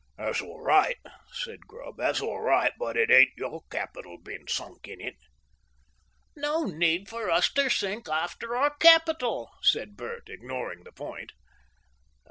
"That's all right," said Grubb "that's all right; but it ain't your capital been sunk in it." "No need for us to sink after our capital," said Bert, ignoring the point.